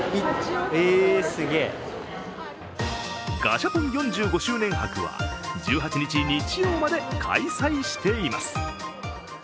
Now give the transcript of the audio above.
ガシャポン４５周年博は１８日日曜まで開催しています。